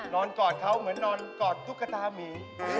นอนกอดเขาเหมือนกอดนิ้วกระดาฬหมี